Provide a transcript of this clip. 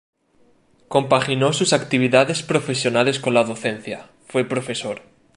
Compaginó sus actividades profesionales con la docencia, fue profesor.